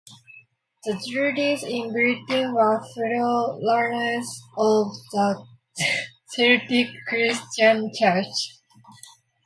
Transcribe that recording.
The Druids in Britain were forerunners of the Celtic Christian Church.